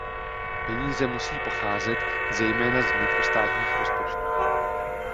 Peníze musí pocházet zejména z vnitrostátních rozpočtů.